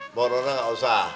mbak rono gak usah